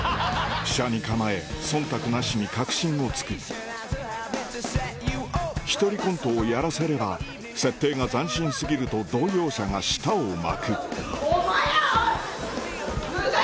斜に構え忖度なしに核心を突く一人コントをやらせれば設定が斬新過ぎると同業者が舌を巻くお前だおい！